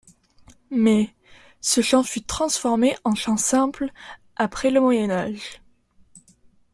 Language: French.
Mais, ce chant fut transformé en chant simple, après le Moyen Âge.